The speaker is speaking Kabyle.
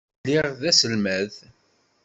Lliɣ d taselmadt.